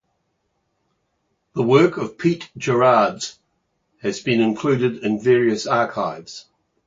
The work of Piet Gerards has been included in various archives.